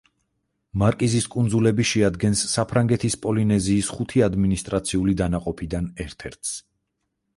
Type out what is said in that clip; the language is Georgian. მარკიზის კუნძულები შეადგენს საფრანგეთის პოლინეზიის ხუთი ადმინისტრაციული დანაყოფიდან ერთ-ერთს.